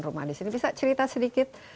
rumah di sini bisa cerita sedikit